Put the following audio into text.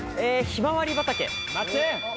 ひまわり畑。